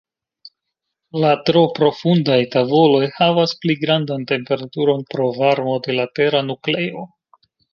La tro profundaj tavoloj havas pli grandan temperaturon pro varmo de la tera nukleo.